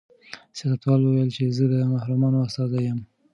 سیاستوال وویل چې زه د محرومانو استازی یم.